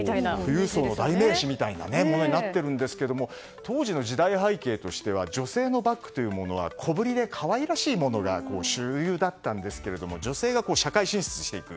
富裕層の代名詞みたいなものになっているんですが当時の時代背景としては女性のバッグというものは小ぶりで可愛らしいものが主流だったんですが女性が社会進出していく。